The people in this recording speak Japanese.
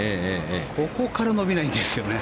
ここから伸びないんですよね。